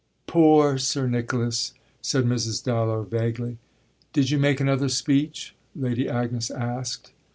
"Poor Sir Nicholas!" said Mrs. Dallow vaguely. "Did you make another speech?" Lady Agnes asked.